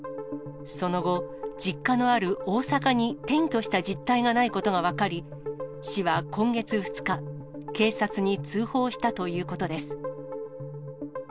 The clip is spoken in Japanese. その後、実家のある大阪に転居した実態がないことが分かり、市は今月２日、警察に通報したということです。